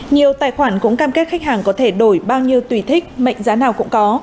nhiều tài khoản cũng cam kết khách hàng có thể đổi bao nhiêu tùy thích mệnh giá nào cũng có